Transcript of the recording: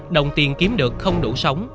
đồng tiền kiếm được không đủ sống